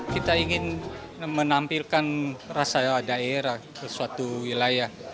kita ingin menampilkan rasa daerah ke suatu wilayah